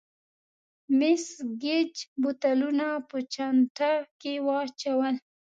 مېس ګېج بوتلونه په چانټه کې واچول.